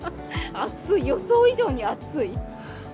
暑い、予想以上に暑い。